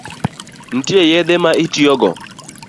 Nitie yedhe ma itiyogo?